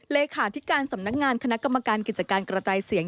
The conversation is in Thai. เลขาธิการสำนักงานคณะกรรมการกิจการกระจายเสียง